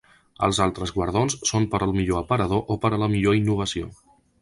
Els altres guardons són per al millor aparador o per a la millor innovació.